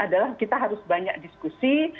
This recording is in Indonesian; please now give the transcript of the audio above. adalah kita harus banyak diskusi